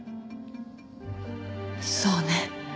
そうね。